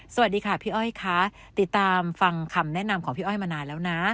สวัสดีค่ะพี่อ้อยค่ะติดตามฟังคำแนะนำของพี่อ้อยมานานแล้วนะ